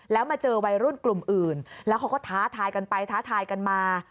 แล้วมาเจอวัยรุ่นกลุ่มอื่นแล้วเขาก็ท้าทายกันไปท้าทายกันมา